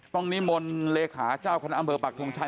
ตรงนี้มณฑ์เลคาเจ้าคณะอำเผยบัตรธรรมชาย